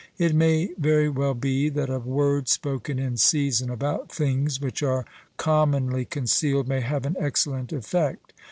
It may very well be that a word spoken in season about things which are commonly concealed may have an excellent effect.